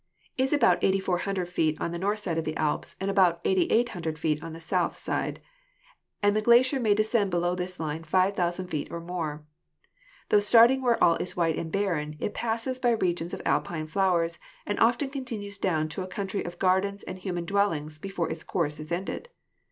144 GEOLOGY is about 8,400 feet on the north side of the Alps and about 8,800 feet on south side, and the glacier may descend below this line 5,000 feet or more. Tho starting where all is white and barren, it passes by regions of Alpine flowers and often continues down to a country of gardens and human dwellings before its course is ended.